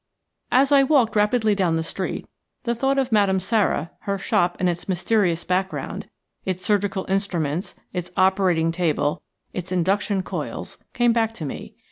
As I walked rapidly down the street the thought of Madame Sara, her shop and its mysterious background, its surgical instruments, its operating table, its induction coils, came back to me.